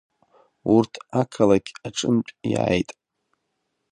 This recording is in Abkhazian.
Урҭ ақалақь аҿынтә иааит.